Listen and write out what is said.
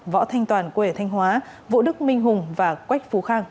võ thanh toàn quê ở thanh hóa vũ đức minh hùng và quách phú khang